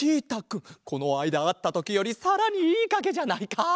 このあいだあったときよりさらにいいかげじゃないか！